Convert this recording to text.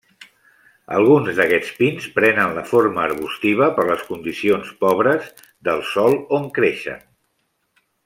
Alguns d'aquests pins prenen la forma arbustiva per les condicions pobres del sòl on creixen.